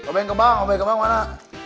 obeng kembang obeng kembang mana